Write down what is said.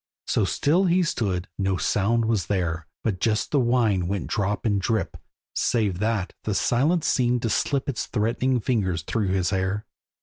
So still he stood, no sound was there, But just the wine went drop and drip; Save that, the silence seemed to slip Its threatening fingers through his hair.